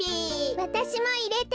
わたしもいれて。